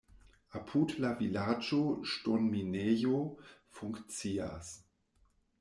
Apud la vilaĝo ŝtonminejo funkcias.